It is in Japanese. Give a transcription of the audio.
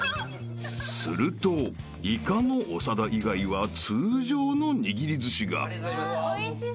［するとイカの長田以外は通常のにぎりずしが］